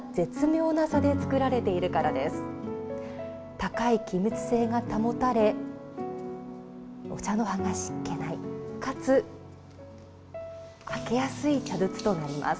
高い気密性が保たれお茶の葉が湿気ないかつ開けやすい茶筒となります。